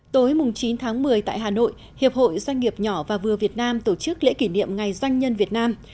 tối chín tháng một mươi tại hà nội hiệp hội doanh nghiệp nhỏ và vừa việt nam tổ chức lễ kỷ niệm ngày doanh nhân việt nam